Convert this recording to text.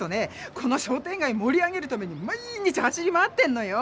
この商店がいもり上げるために毎日走り回ってんのよ！